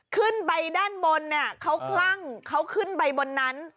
ขึ้นไปด้านบนเขาขึ้นไปบนนั้น